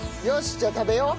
じゃあ食べよう。